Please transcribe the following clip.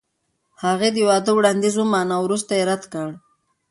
هغې د واده وړاندیز ومانه او وروسته یې رد کړ.